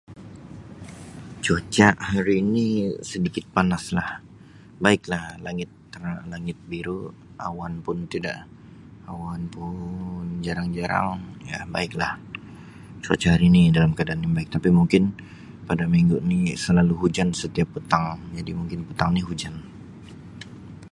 Cuaca hari ni sedikit panas lah, baik lah tanga-langit biru, awan pun tida, awan pun jarang-jarang, ya baiklah, cuaca hari ni dalam keadaan yang baik tapi mungkin pada minggu ni selalu hujan setiap petang jadi mungkin petang ni hujan.